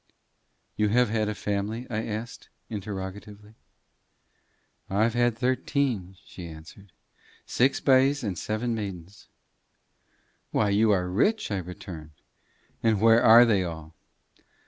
"You have had a family?" I said, interrogatively. "I've had thirteen," she answered. "Six bys and seven maidens." "Why, you are rich!" I returned. "And where are they all?"